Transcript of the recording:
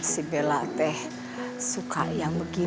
si bellaothy suka yang begitu